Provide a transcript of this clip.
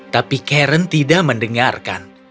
tapi karen tidak mendengarkan